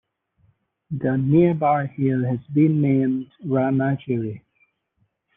The nearby hill has been named "Ramagiri".